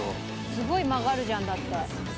すごい曲がるじゃんだって。